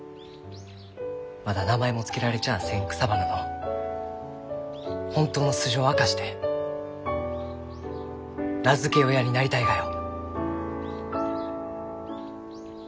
まだ名前も付けられちゃあせん草花の本当の素性を明かして名付け親になりたいがよ。